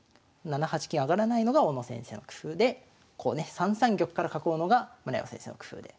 ７八金上がらないのが小野先生の工夫でこうね３三玉から囲うのが村山先生の工夫で。